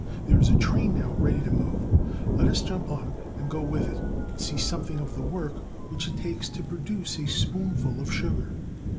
There is a train now ready to move. Let us jump on and go with it, and see something of the work which it takes to produce a spoonful of sugar.